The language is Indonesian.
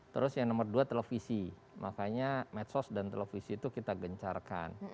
terus yang nomor dua televisi makanya medsos dan televisi itu kita gencarkan